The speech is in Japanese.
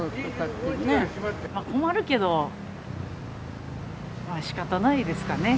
困るけど、まあしかたないですかね。